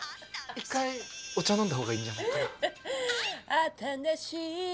一回お茶飲んだ方がいいんじゃないかな。